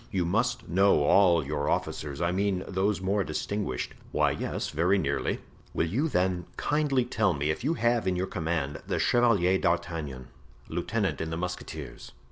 You must know all your officers—I mean those more distinguished." "Why, yes, very nearly." "Will you then kindly tell me if you have in your command the Chevalier d'Artagnan, lieutenant in the musketeers?"